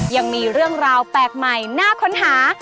ยังมีเรื่องราวแปลกใหม่น่าค้นหา